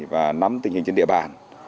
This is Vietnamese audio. và nắm tình hình trên địa bàn